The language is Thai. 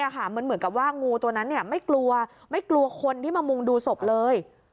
เหมือนกับว่างูตัวนั้นไม่กลัวไม่กลัวคนที่มามุงดูศพเลย